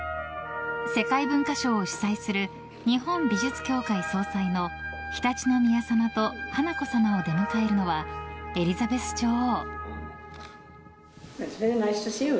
世界文化賞を主催する日本美術協会総裁の常陸宮さまと華子さまを出迎えるのはエリザベス女王。